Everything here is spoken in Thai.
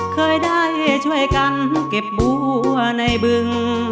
เคยได้ช่วยกันเก็บมัวในบึง